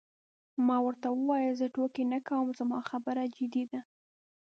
ما ورته وویل: زه ټوکې نه کوم، زما خبره جدي ده.